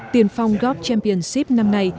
tiền phong golf championship năm nay